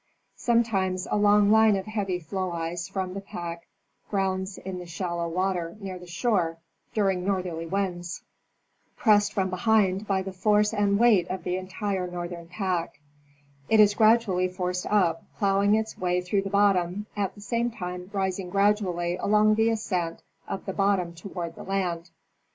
Sometimes a long line of heavy floe ice from the pack grounds in the shallow water near the shore during northerly winds, Arctic Cruise of the U.S. S. Thetis m 1889. 183 pressed from behind by the force and weight of the entire north ern pack. It is gradually forced up, ploughing its way through the bottom, at the same time rising gradually along the ascent of the bottom toward the land.